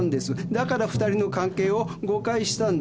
だから二人の関係を誤解したんです。